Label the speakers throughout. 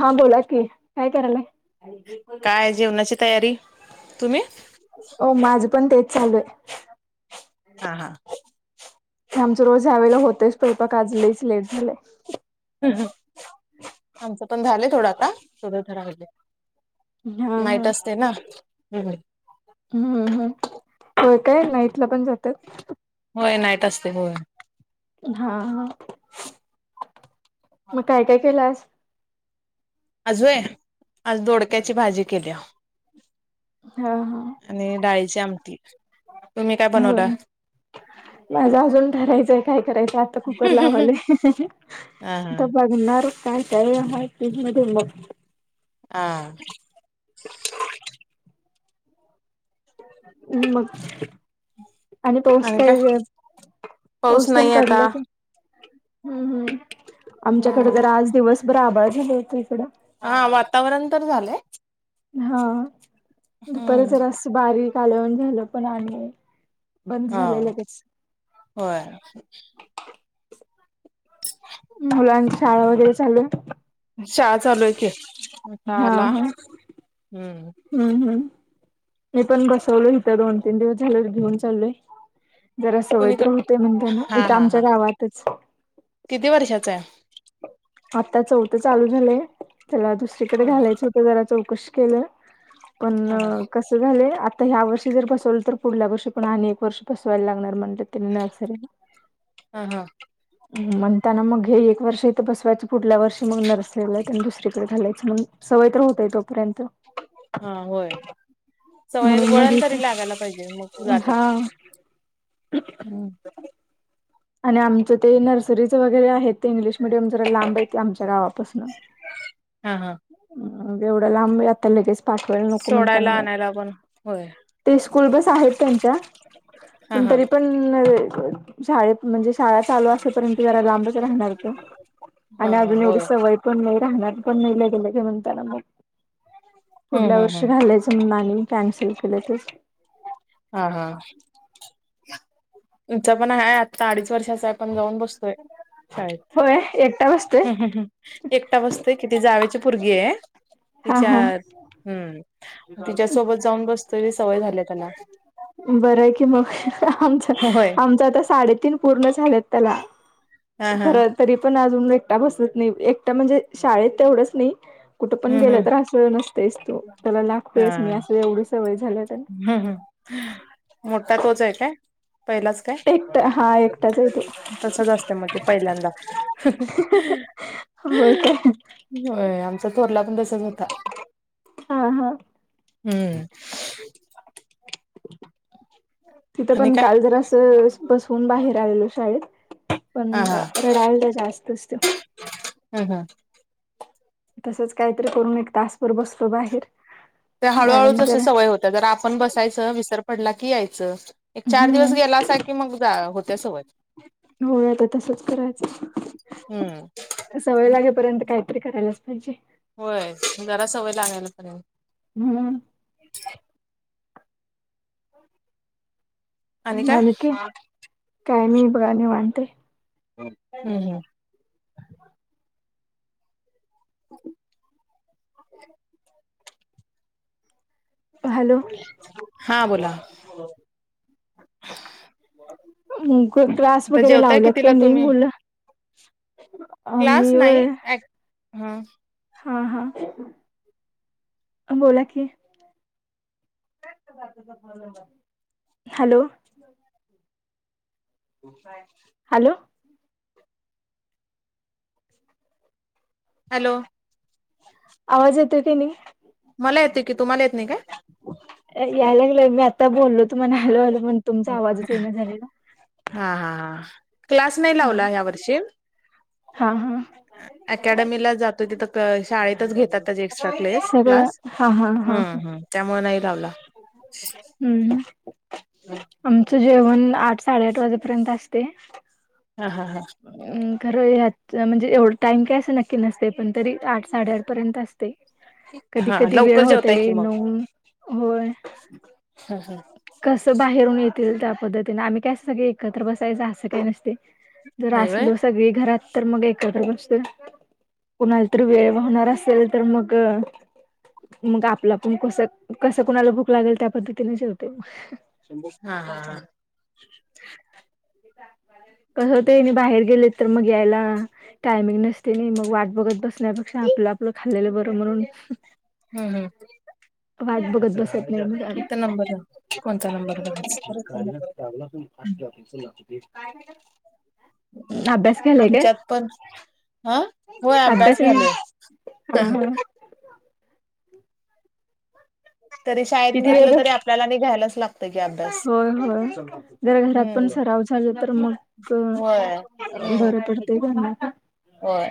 Speaker 1: हा बोला की काय करायलाय?
Speaker 2: काय जेवणाची तयारी. तुम्ही?
Speaker 1: हो माझं पण तेच चालू आहे.
Speaker 2: हा हा.
Speaker 1: ते आमचं रोज ह्यावेळेला होतच स्वयंपाक आज लईच लेट झालंय.
Speaker 2: आमचं पण झालं थोडा आता तो ठ राले
Speaker 1: हा हा.
Speaker 2: माहित असते ना म्हणून.
Speaker 1: हम्म हम् होय काय? नाईटला पण जातात.
Speaker 2: होय नाईट असते होय.
Speaker 1: हा हा. मग काय काय केलाय आज?
Speaker 2: आज होय. आज दोडक्याची भाजी केल्या.
Speaker 1: हा हा.
Speaker 2: आणि डाळीची आमटी तुम्ही काय बनवला?
Speaker 1: माझा अजून ठरायचंय काय करायचं आता कुकर लावालोय.
Speaker 2: हा हा.
Speaker 1: आता बघ मनार काय काय [unintelligible]
Speaker 2: हा.
Speaker 1: मग आणि पाऊस काय हे, पाऊस तेन
Speaker 2: नाही आता
Speaker 1: पडलं काय? हम्म हम्म आमच्याकडे
Speaker 2: हम्म.
Speaker 1: जरा आज दिवसभर आभळ झाला होत इकडं.
Speaker 2: हा वातावरण तर झालंय.
Speaker 1: हा दुपारी
Speaker 2: हम्म.
Speaker 1: जरा असं बारीक आल्यावाणी झालं पण आणि बंद
Speaker 2: हा.
Speaker 1: झाले लगेच.
Speaker 2: होय.
Speaker 1: मुलांची शाळा वगैरे चालू
Speaker 2: शाहा चालू आहे की. आता
Speaker 1: हा
Speaker 2: आला.
Speaker 1: हा
Speaker 2: हम्म.
Speaker 1: हम्म हम्म मी पण बसवलो इथं दोन तीन दिवस झाले घेऊन चलोय. जरा सवय तर
Speaker 2: कुणीकड
Speaker 1: होतय म्हणताना
Speaker 2: हा
Speaker 1: इथं
Speaker 2: हा
Speaker 1: आमच्या
Speaker 2: हा
Speaker 1: गावातच.
Speaker 2: किती वर्षाचा हाय.
Speaker 1: आता चौथं चालू झालंय. त्याला दुसरीकडे
Speaker 2: हा
Speaker 1: घालायचं होत. ते जरा चौकशी केलं पण
Speaker 2: हा हा
Speaker 1: कस कस झालय आता ह्या वर्षी जर बसवलं तर पुढल्या वर्षी पण आणि एक वर्ष बसवायला लागणार म्हणलेत. नर्सरी.
Speaker 2: हा
Speaker 1: म्हणताना मग हे एक वर्ष इथं बस पुढल्या वर्षी मग नर्सरीला त्याला दुसरीकडे घालायचं मग सवय तर होतय तोपर्यंत.
Speaker 2: हा होय सवय
Speaker 1: म्हणून मग
Speaker 2: वळण तरी
Speaker 1: इथं
Speaker 2: लागायला पाहिजे मग जातात.
Speaker 1: हा
Speaker 2: हम्म.
Speaker 1: आणि आमचं ते नर्सरीच वगैरे आहेत ते इंग्लिश मिडियम जरा लांब येत आमच्या गावापासून.
Speaker 2: हा हा.
Speaker 1: एवढा लांब आता लगेच पाठवायला नको म्हणताना
Speaker 2: सोडायला
Speaker 1: मग
Speaker 2: आणायला पण होय.
Speaker 1: ते स्कूल बस आहेत त्यांच्या,
Speaker 2: हा
Speaker 1: पण
Speaker 2: हा.
Speaker 1: तरी पण शाळेेत म्हणजे शाळा चालू असेपर्यंत जरा लांबच राहणार तो
Speaker 2: हा
Speaker 1: आणि
Speaker 2: हा
Speaker 1: अजून एवढी
Speaker 2: होय
Speaker 1: सवय पण नाही राहणार पण नाही लगे लगे म्ह त्याला मग
Speaker 2: हम्म
Speaker 1: पुढल्या
Speaker 2: हम्म हम्म.
Speaker 1: वर्षी घालायचं आणि आणि कॅन्सल केल ते.
Speaker 2: हा हा. आमचा पण आहे आत्ता अडीच वर्षाच आहे आपण जाऊन बस तोय शाळेत
Speaker 1: होय एकटा बसतोय
Speaker 2: हम हम हम. एकटा बसतोय किती जावे ची पोरगी हाय.
Speaker 1: हा
Speaker 2: तीच्या
Speaker 1: हा
Speaker 2: हु मग तीच्या सोबत तरी सवय झालेय त्यांना.
Speaker 1: बरं आहे की मग हं ह ह. आमच
Speaker 2: होय
Speaker 1: आमचं आता साडेतीन पूर्ण झालेत त्याला
Speaker 2: हा हा
Speaker 1: खर तरी पण अजून एकटा बसत नाही एकटा म्हणजे शाळेत तेवढंच नाही कुठं पण
Speaker 2: हम्म
Speaker 1: गेलं
Speaker 2: हम्म
Speaker 1: तर अस नसतोयच तो त्याला लागतोयच मी अस एवढी सवय झाल्या त्याला
Speaker 2: हम हम. मोठा तोच आहे काय? पहिलाच काय?
Speaker 1: एकटा हा एकटाच आहे तो
Speaker 2: तसच असते मग ते पहिल्यांदा ह ह हम.
Speaker 1: होय काय?
Speaker 2: होय आमचा थोरला पण तसच होता.
Speaker 1: हा हा
Speaker 2: हम्म.
Speaker 1: तिथं
Speaker 2: आणि
Speaker 1: पण
Speaker 2: काय?
Speaker 1: काल जरा असं बसवून बाहेर आलेलो शाळेत.
Speaker 2: हा
Speaker 1: पण
Speaker 2: हा
Speaker 1: रडायलता जास्तच त्यो.
Speaker 2: हम हम.
Speaker 1: तसंच काहीतरी करून एक तासभर बसतो बाहेर
Speaker 2: त्या
Speaker 1: मॅडम
Speaker 2: हळूहळूच असं
Speaker 1: जरा
Speaker 2: सवय होतीया जरा आपण बसायचं विसर पडला की यायचं. चार दिवस
Speaker 1: हम्म
Speaker 2: गेलासा की मग जा होत्या सवय.
Speaker 1: हो आता तस करायचय
Speaker 2: हम्म
Speaker 1: सवय लागेपर्यंत काहीतरी करायलाच पाहिजे.
Speaker 2: होय जरा सवय लागायला पा
Speaker 1: हंं. आणि काय काय नाही बघा निवांत आहे
Speaker 2: हम्म.
Speaker 1: हॅलो
Speaker 2: हा बोला
Speaker 1: म कु क्लास
Speaker 2: आता
Speaker 1: वगैरे
Speaker 2: जेवताय
Speaker 1: लावल्यात
Speaker 2: कितीला
Speaker 1: काही नाही
Speaker 2: तुम्ही?
Speaker 1: मुलं
Speaker 2: क्लास
Speaker 1: मी
Speaker 2: नाही
Speaker 1: होय
Speaker 2: ऍ हा
Speaker 1: हा हा बोला की हॅलो हॅलो
Speaker 2: हॅलो
Speaker 1: आवाज येतोय काय नाही
Speaker 2: मला येतोय तुम्हाला येत नाही काय?
Speaker 1: यायलागलाय मी आता बोललो तुम्हाला हॅलो हॅलो म्हण तुमचा आवाजच येईना
Speaker 2: काय?
Speaker 1: झालेला.
Speaker 2: हा हा हा क्लास नाही लावला ह्या वर्षी
Speaker 1: हा हा
Speaker 2: ॲकॅडमीला जातोय तिथं क शाळेतच घेतात त्याचे एक्स्ट्रा क्लेस
Speaker 1: सगळं
Speaker 2: क्लास
Speaker 1: हा हा ह
Speaker 2: त्यामुळं नाही लावला
Speaker 1: हम्म आमचं जेवण आठ साडेआठ वाजेपर्यंत असतय.
Speaker 2: हा हा हां
Speaker 1: खरं ह्याच म्हणजे एवढ टाइम काय असं नक्की नसतयं पण तरी आठ साडेआठ पर्यंत असतयं कधी
Speaker 2: हा
Speaker 1: कधी वेळ
Speaker 2: लवकर जेवताय की
Speaker 1: होतयं
Speaker 2: मग
Speaker 1: नऊ होय
Speaker 2: हा हं
Speaker 1: कसं बाहेरून येतील त्या पद्धतीने आम्ही काय अस सगळी एकत्र बसायचं असं काय नसतय‌. जर
Speaker 2: नाही व्हय
Speaker 1: असलो सगळी घरात तर मग एकत्र बसतोय. कुणाला तर वेळ होणार असेल तर मग मग आपलं आपण कस कसं कोणाला भुक लागल त्या पद्धतीने जेवतय.
Speaker 2: हा हा हा [inaudible]
Speaker 1: कस त्यांनी बाहेर गेलीत तर मग यायला टायमिंग नसतयं नाही मग वाट बघत बसण्यापेक्षा आपलं आपलं खाल्लेलं बरं म्हणून
Speaker 2: हम हम.
Speaker 1: वाट बघत बसत नाही मग आम्ही
Speaker 2: इथं नंबर आहे कोणता नंबर करायचं
Speaker 1: अभ्यास घ्यायलाय काय
Speaker 2: आमच्यात पण हा होय
Speaker 1: अभ्यास घ्या
Speaker 2: घालूय
Speaker 1: हा हं
Speaker 2: तरी शाळेत
Speaker 1: किती वेळ
Speaker 2: घेतलं तरी
Speaker 1: बस
Speaker 2: आपल्याला आणि घ्यायलाच लागत
Speaker 1: होय होय. जर घरात पण
Speaker 2: हम्म
Speaker 1: सराव झाल तर मग
Speaker 2: होय हम्म
Speaker 1: बरं पडतय ग
Speaker 2: होय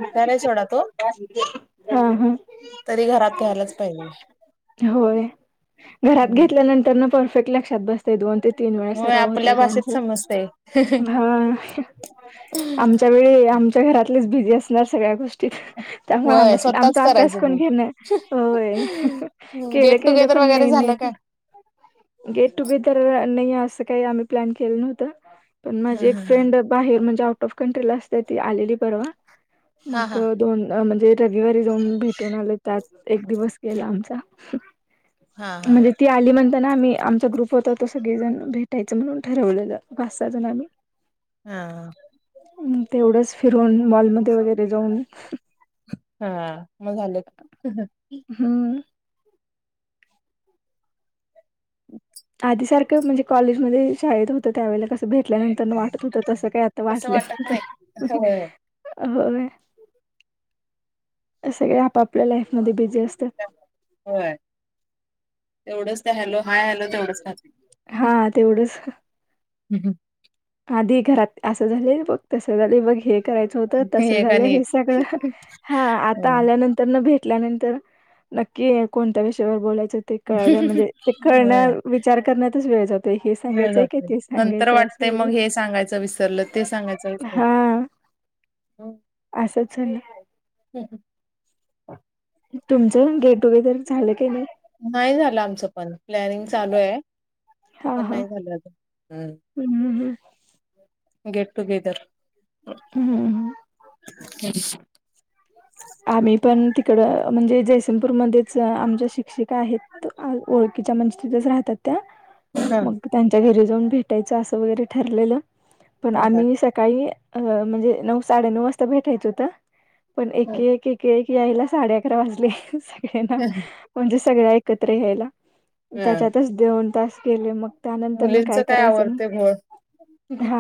Speaker 2: हुशार आहे सोडा तो
Speaker 1: हा हा
Speaker 2: तरी घरात घ्यायलाच पाहिजे
Speaker 1: होय घरात
Speaker 2: हम्म
Speaker 1: घेतल्यानंतर न परफेक्ट लक्षात बस दोन ते तीन वेळा
Speaker 2: होय
Speaker 1: सराव होतय
Speaker 2: आपल्या
Speaker 1: त्यांच
Speaker 2: भाषेत समजतय.
Speaker 1: हा हं. आमच्या वेळी आमच्या घरातलेच बिझी असणार सगळ्या गोष्टी त्यामुळं आम
Speaker 2: होय स्वतःच
Speaker 1: आमचा अभ्यास
Speaker 2: करायचं
Speaker 1: कोण
Speaker 2: की.
Speaker 1: घेण होय. केलं
Speaker 2: गेट
Speaker 1: केलं
Speaker 2: टुगेदर
Speaker 1: पण
Speaker 2: वगैरे
Speaker 1: नाही नाही
Speaker 2: झालं काय?
Speaker 1: पण गेट टुगेदर नाही असं काही आम्ही प्लॅन केलं नव्हतं पण
Speaker 2: हा
Speaker 1: माझी एक फ्रेंड बाहेर म्हणजे आउट ऑफ कंट्रीला असते ती आलेली परवा
Speaker 2: हा हा
Speaker 1: मग
Speaker 2: हा
Speaker 1: दोन म्हणजे रविवारी जाऊन भेटून आले त्यात एक दिवस गेला आमचा
Speaker 2: हा हा
Speaker 1: म्हणजे ती आली म्हण जण आम्ही आमचा ग्रुप होत तो सगळी जण भेटायचं म्हणून ठरवलेल पाच सहा जण आम्ही
Speaker 2: हा.
Speaker 1: तेवढंच फिरून माॅलमध्ये वगैरे जाऊन
Speaker 2: हा मग झालं.
Speaker 1: हम्म. आधीसारखं म्हणजे कॉलेजमध्ये शाळेत होतं त्यावेळेला कस भेटल्यानंतर वाटत होत तसं काही आता
Speaker 2: तसं
Speaker 1: वाटलं
Speaker 2: वाटत
Speaker 1: नाही पण
Speaker 2: होय.
Speaker 1: होय सगळे आपापल्या लाईफ मध्ये बिझी असतात.
Speaker 2: होय तेवढच हॅलो हाय हॅलो तेवढच करत्यात
Speaker 1: हां, तेवढंच. आधी घरात असं झाले बघ तसं झाले बघ हे करायचं होत तस
Speaker 2: एक
Speaker 1: झालं
Speaker 2: आणि
Speaker 1: हे
Speaker 2: एक.
Speaker 1: सगळं हा आता आल्यानंतर न भेटल्यानंतर नक्की कोणत्या विषयावर बोलायचं ते कळायला म्हणजे ते कळण्या
Speaker 2: होय.
Speaker 1: विचार करण्यातच वेळ जातोय हे सांगायचंय काय ते सांगायचंय अस.
Speaker 2: ते मग हे सांगायचं विस [unintelligible] ते सांगायचं विसरल
Speaker 1: हां, असंच झालं. तुमचं पण गेट टुगेदर झालं की नाही.
Speaker 2: नाही झालं आमचं पण प्लॅनिंग चालू आहे पण नाही झालं अजून हम
Speaker 1: हम् हम हम.
Speaker 2: गेट टुगेदर
Speaker 1: हम्मम.
Speaker 2: [inaudible]
Speaker 1: आम्ही पण तिकडं म्हणजे जयसिंगपूरमध्येच आमच्या शिक्षि का आहेत ओळखीच्या म्हणजे तिथच राहतात त्या
Speaker 2: हा
Speaker 1: मग त्यांच्या घरी जाऊन भेटायचं असं वगैरे ठरलेलं पण
Speaker 2: हा हा
Speaker 1: आम्ही काळी म्हणजे नऊ साडेनऊ वाजता भेटायचं होत. पण एक एक एक एक यायला साडे अकरा वाजले सगळ्यांना म्हणजे सगळ्या एकत्र या्यायला
Speaker 2: हा.
Speaker 1: त्याच्यातच दोन तास गेले मग त्यानंतर न
Speaker 2: मुलींच
Speaker 1: काय करायचं म
Speaker 2: आवडते घोळ.
Speaker 1: हा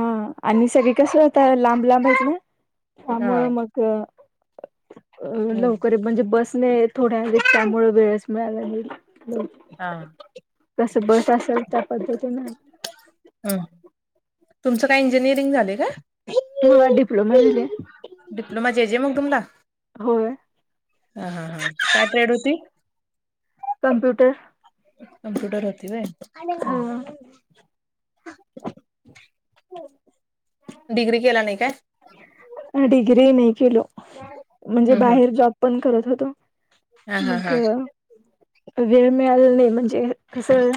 Speaker 1: आणि सगळी कसं आता लांब लांब आहेत ना त्यामुळं
Speaker 2: हा
Speaker 1: मग अ लवकर म्हणजे बसने थोड्या रिक्षांमुळे वेळच मिळाला नाही -
Speaker 2: हा.
Speaker 1: - कसं बस असेल त्या पद्धतीनं
Speaker 2: ह तुमचं काय इंजिनिअरिंग झालंय काय?
Speaker 1: हा डिप्लोमा झालंय
Speaker 2: डिप्लोमा जे जे मग तुमला
Speaker 1: होय
Speaker 2: हा हा हा काय ट्रेड होती?
Speaker 1: कंप्युटर
Speaker 2: कंप्युटर होती व्हय.
Speaker 1: हा हो
Speaker 2: डिग्री केला नाही काय?
Speaker 1: डिग्री नाही केलो म्हणजे
Speaker 2: हम्म हम्म
Speaker 1: बाहेर जॉब पण करत होतो.
Speaker 2: हा हा
Speaker 1: मग
Speaker 2: हा
Speaker 1: वेळ मिळाला नाही म्हणजे कसं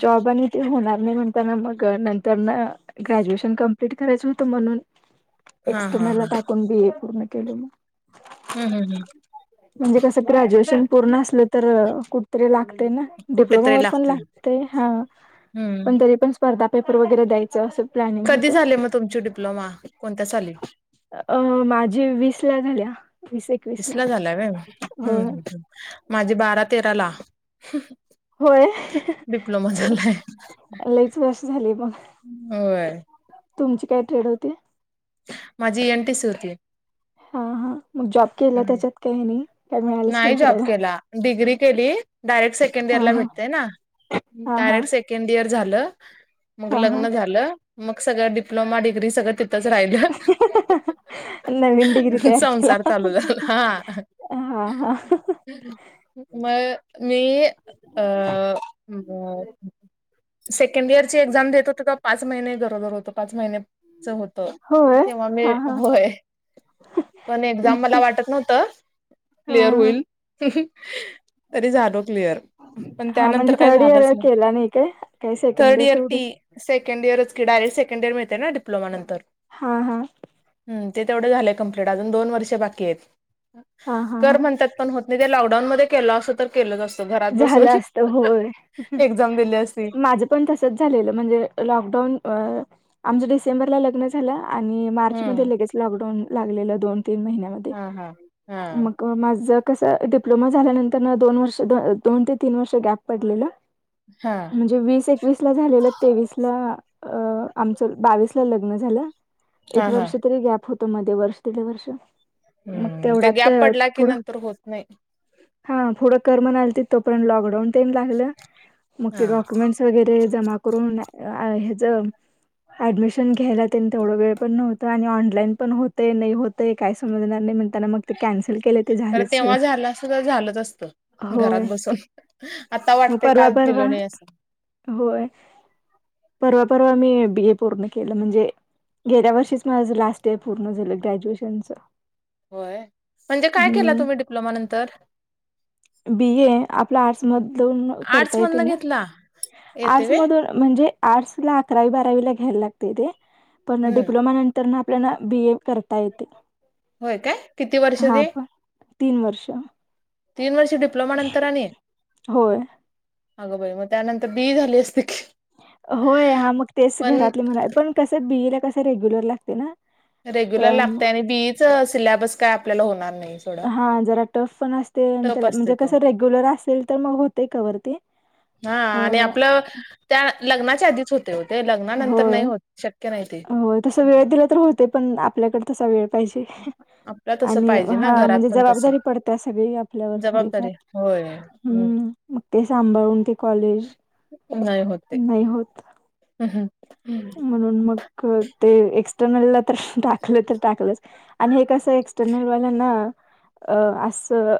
Speaker 1: जॉब आणि ते होणार नाही म्हण ना मग नंतरन ग्रॅज्युएशन कंप्लीट करायचं होतं म्हणून
Speaker 2: हा हा
Speaker 1: एक्सटर्नल ला
Speaker 2: हा
Speaker 1: टाकून बी. ए पूर्ण केलो मग
Speaker 2: हु हु हु
Speaker 1: म्हणजे कसं ग्रॅज्युएशन पूर्ण असलं तर कु तरी लागतंय ना
Speaker 2: कुठेतरी
Speaker 1: डिप्लोमावर पण
Speaker 2: लागतोय
Speaker 1: लागतय हा
Speaker 2: हम्म.
Speaker 1: पण तरी पण स्पर्धा पेपर वगैरे द्यायचं अस
Speaker 2: कधी झाले मग तुमची डिप्लोमा, कोणत्या साली?
Speaker 1: अ माझी वीसला झाल्या वीस एक
Speaker 2: वीसला झालाय व्हय, माझी बारा-तेरा ला
Speaker 1: होय.
Speaker 2: डिप्लोमा झालाय.
Speaker 1: लईच वर्ष झाली मग
Speaker 2: होय
Speaker 1: तुमची काय ट्रेड होती?
Speaker 2: माझी एन. टी. सी. होती.
Speaker 1: हा हा मग जॉब केला
Speaker 2: हम्म.
Speaker 1: त्याच्यात काय नाही, काय मिळालंच नाही
Speaker 2: जॉब
Speaker 1: करायला?
Speaker 2: केला डिग्री केली डायरेक्ट सेकंड इयर
Speaker 1: हा
Speaker 2: ला
Speaker 1: हा
Speaker 2: भेटतय ना
Speaker 1: हा हा
Speaker 2: डायरेक्ट सेक सेकंड इयर झालं, मग
Speaker 1: हा हा
Speaker 2: लग्न झालं, मग सगळं डिप्लोमा- डिग्री सगळं ती थच राहिलं
Speaker 1: नवीन डिग्री तयार केला
Speaker 2: संसार चालू झाला. हा
Speaker 1: हा हा
Speaker 2: मग मी अ सेकंड इयरची एक्झाम देत होतो तवा पाच महिने गरोदर होतो, पाच महिने होत
Speaker 1: होय
Speaker 2: तेव्हा मी
Speaker 1: हा हा
Speaker 2: होय पण एक
Speaker 1: मग
Speaker 2: मला
Speaker 1: ते
Speaker 2: वाटत नव्हत
Speaker 1: हा
Speaker 2: क्लिअर
Speaker 1: हा
Speaker 2: होईल तरी झालो क्लिअर पण
Speaker 1: हा म्हणजे
Speaker 2: त्यानंतर काय
Speaker 1: थर्ड
Speaker 2: झालंच
Speaker 1: इयर
Speaker 2: नाही
Speaker 1: केला काय काही सेकंड
Speaker 2: थर्ड इयर टी
Speaker 1: तेवढंच
Speaker 2: सेकंड इयरच की डायरेक्ट सेकंड इयर मिळतंय ना डप्लोमा नंतर
Speaker 1: हां हां
Speaker 2: ह ते तेवढे झालंय कंप्लीट अजून दोन वर्ष बाकी आहेत.
Speaker 1: हा हा
Speaker 2: कर
Speaker 1: हा
Speaker 2: म्हणतात. पण होत नाही ते लॉकडाऊन मध्ये केलो असतो तर केलोच असतो घरात बसून
Speaker 1: झालं असतं होय.
Speaker 2: एक्झाम दिली असती
Speaker 1: माझं पण तसंच झालेलं म्हणजे लॉकडाउन अ आमचं डिसेंबरला लग्नचं झालं आणि मार्च
Speaker 2: हम्म
Speaker 1: मध्ये लगेच लॉकडाऊन लागलेलं दोन तीन महिन्यामध्ये
Speaker 2: हा हा हा
Speaker 1: मग माझं कस डिप्लोमा झाल्यानंत रन दोन वर्ष दोन ते तीन वर्ष गॅप पडलेलं
Speaker 2: हा.
Speaker 1: म्हणजे वीस एक वीस ला झालेलं तेवीसला अ आमचं बावीस ला लग्न झालं
Speaker 2: हा
Speaker 1: एक
Speaker 2: हा
Speaker 1: वर्ष तरी गॅप होतो मध्ये वर्ष दीड वर्ष मग
Speaker 2: हम्म ते
Speaker 1: तेवढ्यात
Speaker 2: गॅप पडला की
Speaker 1: पुढं
Speaker 2: नंतर होत नाही
Speaker 1: हा पुढं कर म्हणालतीत तो पर्यंत लॉकडाऊन तेन लागलं मग
Speaker 2: हा
Speaker 1: ते डॉक्युमेंट वगैरे जमा करून ह्याचं ऍडमिशन घ्यायला तेन तेवढं वेळ पण नव्हता आणि ऑनलाईनपण होत होतय, नाही होतय काही समजणार नाही म्हणताना मग ते कॅन्सल केले ते
Speaker 2: तर
Speaker 1: झालंच सगळं
Speaker 2: तेव्हा झालं असंत तर झालंच असतं.
Speaker 1: होय
Speaker 2: घरात बसून,, आता
Speaker 1: मग
Speaker 2: वाटतय
Speaker 1: परवा
Speaker 2: काय
Speaker 1: परवा
Speaker 2: दिलो नाही असंऽ
Speaker 1: होय,, परवा, परवा मी बी ए पूर्ण केलं,, म्हणजेऽ गेल्या वर्षीच माझं लास्ट इयर पूर्ण झालं ग्रॅज्युएशनचं.
Speaker 2: वय, म्हणजे काय केला तुम्ही डिप्लोमा नंतर,,,
Speaker 1: बी ए आपल्या आर्टसमधून करता
Speaker 2: आर्ट्स
Speaker 1: येते
Speaker 2: मधन
Speaker 1: ना,,
Speaker 2: घेतला येते वे
Speaker 1: आर्ट्समधूनऽ म्हणजे आर्ट्सला अकरावीला घ्यायला लागतंय ते पण
Speaker 2: हम्म
Speaker 1: डिप्लोमा नन तर मग आपल्याला बी ए करता येतय,
Speaker 2: होय काय किती वर्ष
Speaker 1: हा
Speaker 2: ते
Speaker 1: पण. तीन वर्षं.
Speaker 2: तीन वर्ष डिप्लोमा नंतर आणि. [inaudible]
Speaker 1: होय.
Speaker 2: अगं बाई मग त्यानंतर बीए झाली असते कीऽ
Speaker 1: होय,, हा मग तेच घरातले म्हणाले,, पण कसं बीईला कस रेग्युलर लागते ना.
Speaker 2: रेग्युलर
Speaker 1: तर
Speaker 2: लागतय,,
Speaker 1: मग
Speaker 2: आणि बीएच सिलेबस काय आपल्याला होणार नाहीच.
Speaker 1: हां, जरा टफ पण असतय आनी, त्या
Speaker 2: असते
Speaker 1: म्हणजे
Speaker 2: तो
Speaker 1: कसं रेग्युलर असेल तर मग होते कवर ते. अ,
Speaker 2: हां, आणि आपलं, त्या लग्नाच्या आधीच होत. ते होतेय, लग्नानंतर
Speaker 1: होय,
Speaker 2: नाही होत शक्य नाही ते.
Speaker 1: ते पण. आपल्याकडे तसा वेळ पाहिजे,
Speaker 2: आपला तसं
Speaker 1: आणि
Speaker 2: पाहिजे ना
Speaker 1: हा
Speaker 2: घरात
Speaker 1: म्हणजे
Speaker 2: पण तसं
Speaker 1: जबाबदारी पडत्या सगळी. आपल्यावर थोडीफार,
Speaker 2: जबाबदारी होय.
Speaker 1: हम्म, मग ते सांभाळून ते कॉलेज.
Speaker 2: नाही होत ते,
Speaker 1: नाही होत.
Speaker 2: असा हम्म.
Speaker 1: म्हणून मग ते, एक्सटर्नल ला तर टाकलं तर टाकलं. आणि हे कसं एक्सटर्नलवाल्याना, अ असं.